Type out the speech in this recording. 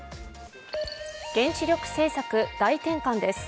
原子力政策、大転換です。